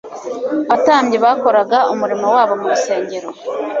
abatambyi bakoraga umurimo wabo mu rusengero.